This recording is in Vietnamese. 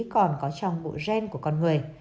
còn có trong bộ gen của con người